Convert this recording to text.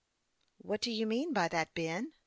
" What do you mean by that, Ben ?